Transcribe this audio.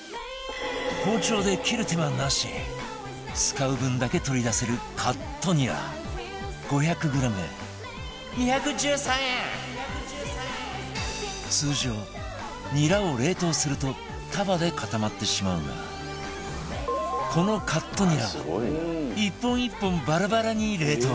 包丁で切る手間なし使う分だけ取り出せる通常ニラを冷凍すると束で固まってしまうがこのカットニラは１本１本バラバラに冷凍